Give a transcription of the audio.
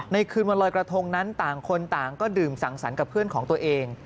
คืนวันลอยกระทงนั้นต่างคนต่างก็ดื่มสังสรรค์กับเพื่อนของตัวเอง